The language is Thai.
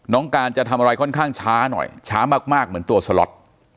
การจะทำอะไรค่อนข้างช้าหน่อยช้ามากเหมือนตัวสล็อต